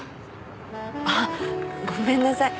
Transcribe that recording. あごめんなさい。